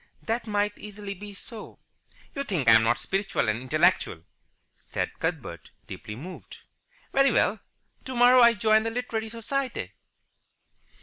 "That might easily be so." "You think I'm not spiritual and intellectual," said Cuthbert, deeply moved. "Very well. Tomorrow I join the Literary Society."